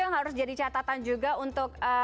yang harus jadi catatan juga untuk